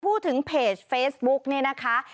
พูดถึงเพจเฟซบุ๊กเนี่ยนะคะ